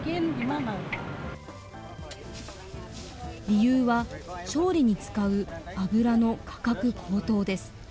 理由は調理に使う油の価格高騰です。